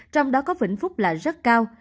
trong đó có vĩnh phúc là rất cao